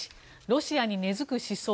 ロシアに根付く思想